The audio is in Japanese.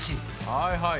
はいはい。